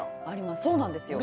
そうなんですよ。